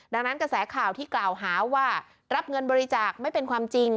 ดังนั้นกระแสข่าวที่กล่าวหาว่ารับเงินบริจาคไม่เป็นความจริง